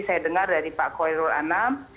saya dengar dari pak khoirul anam